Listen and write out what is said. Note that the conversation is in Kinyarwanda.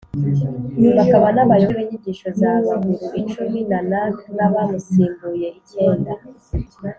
bakaba n’abayoboke b’inyigisho za ba guru icumi (nānak n’abamusimbuye icyenda)